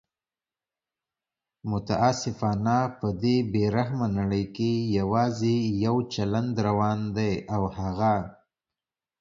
متاسفانه په دې بې رحمه نړۍ کې یواځي یو چلند روان دی او هغه